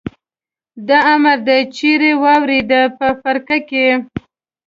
دا امر دې چېرې واورېد؟ په فرقه کې.